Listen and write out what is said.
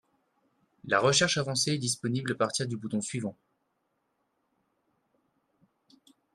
La recherche avancée est disponible à partir du bouton suivant